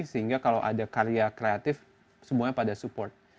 sehingga kalau ada karya kreatif semuanya pada support